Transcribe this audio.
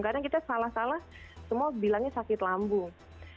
kadang kita salah salah semua bilangnya sakit lambung